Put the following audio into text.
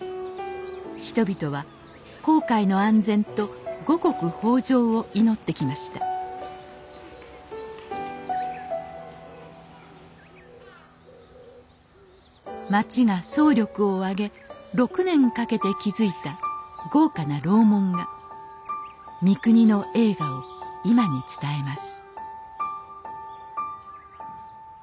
人々は航海の安全と五穀豊穣を祈ってきました町が総力を挙げ６年かけて築いた豪華な楼門が三国の栄華を今に伝えます